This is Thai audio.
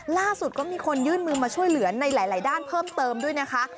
ล่าสุดก็มีคนยื่นมือมาช่วยเหลือในหลายด้านเพิ่มเติมด้วยนะคะ